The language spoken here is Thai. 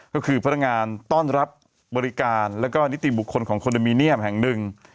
ก็คือพนักงานต้อนรับบริการแล้วก็นิติบุคคลของคอนโดมิเนียมแห่งหนึ่ง